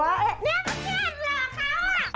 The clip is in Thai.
นี่ก็แค่หล่าเขาอ่ะ